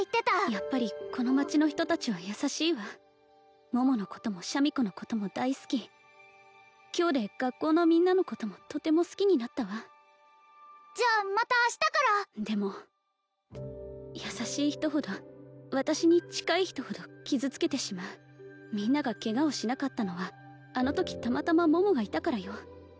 やっぱりこの町の人達は優しいわ桃のこともシャミ子のことも大好き今日で学校のみんなのこともとても好きになったわじゃあまた明日からでも優しい人ほど私に近い人ほど傷つけてしまうみんながケガをしなかったのはあのときたまたま桃がいたからよ